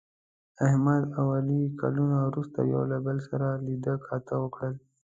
احمد او علي کلونه وروسته یو له بل سره لیده کاته وکړل.